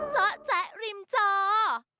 เจ้าแจ๊ะริมเจ้า